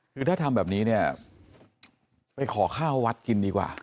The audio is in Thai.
คือถ้าทำแบบนี้เนี่ยไปขอข้าววัดกินดีกว่า